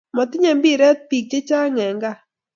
Motinye mbiret pik che chang en kaa